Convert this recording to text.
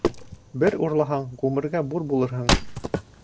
Бер урлаһаң, ғүмергә бур булырһың